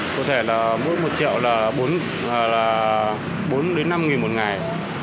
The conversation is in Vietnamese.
có thể là mỗi một triệu là bốn đến năm một ngày